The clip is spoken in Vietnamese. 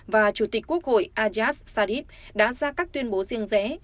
và chủ tịch quốc hội ajaz sharif đã ra các tuyên bố riêng rẽ